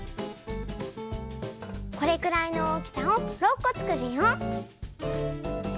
これくらいのおおきさを６こつくるよ。